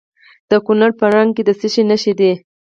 د کونړ په نرنګ کې د څه شي نښې دي؟